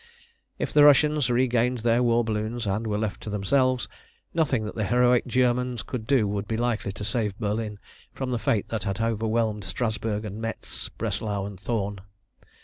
If the Russians regained their war balloons and were left to themselves, nothing that the heroic Germans could do would be likely to save Berlin from the fate that had overwhelmed Strassburg and Metz, Breslau and Thorn.